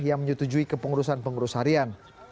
yang menyetujui ke pengurusan pengurus harian